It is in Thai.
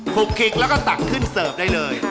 ลุกคลิกแล้วก็ตักขึ้นเสิร์ฟได้เลย